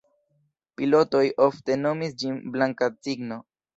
Pilotoj ofte nomis ĝin "Blanka Cigno".